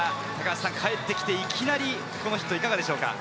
帰って来ていきなり、このヒットいかがでしょうか？